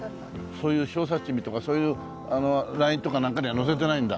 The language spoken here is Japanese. そういう小冊子にとかそういうＬＩＮＥとかなんかには載せてないんだ。